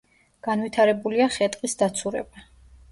განვითარებულია ხე-ტყის დაცურება.